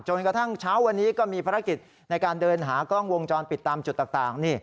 กระทั่งเช้าวันนี้ก็มีภารกิจในการเดินหากล้องวงจรปิดตามจุดต่าง